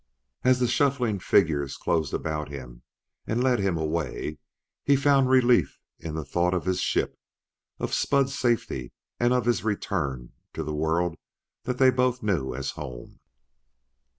As the shuffling figures closed about him and led him away he found relief in the thought of his ship, of Spud's safety, and of his return to the world that they both knew as home.